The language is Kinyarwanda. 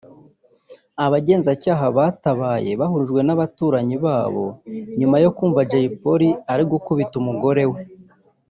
Abagenzacyaha batabaye bahurujwe n’abaturanyi babo nyuma yo kumva Jay Polly ari gukubita umugore we